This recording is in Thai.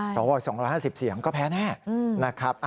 สว๒๕๐เสียงก็แพ้แน่นะครับ